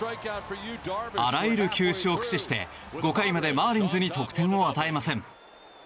あらゆる球種を駆使して５回までマーリンズに得点を与えません。